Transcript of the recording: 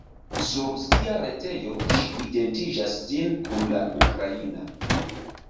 Sur sia retejo, ŝi identiĝas sin kun la ukraina.